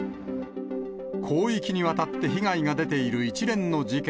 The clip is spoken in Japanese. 広域にわたって被害が出ている一連の事件。